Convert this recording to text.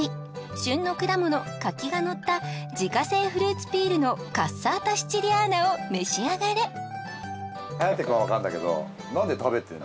旬の果物柿がのった自家製フルーツピールのカッサータシチリアーナを召し上がれ颯くんはわかんだけどなんで食べてんの？